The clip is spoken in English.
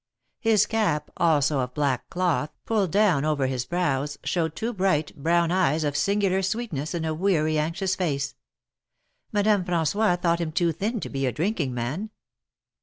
His cap, also of black cloth, pulled down over his brows, showed two bright, brown eyes of singular sweetness in a weary, anxious face. Madame Fran9ois thought him too thin to be a drinking man.